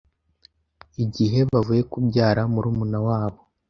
igihe bavuye kubyara murumuna wabo